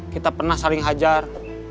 kita pernah saling hajar